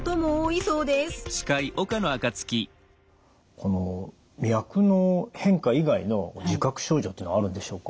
この脈の変化以外の自覚症状っていうのはあるんでしょうか？